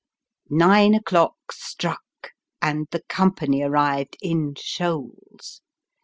Nine o'clock struck, and the company arrived in shoals.